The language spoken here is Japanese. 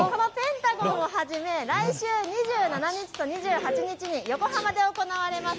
このペン太５んをはじめ来週２７日と２８日に横浜で行われます